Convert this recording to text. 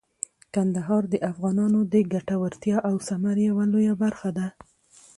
کندهار د افغانانو د ګټورتیا او ثمر یوه لویه برخه ده.